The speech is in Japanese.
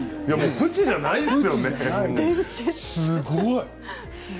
プチじゃないよね。